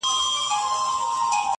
د پاچا لور وم پر طالب مینه سومه!!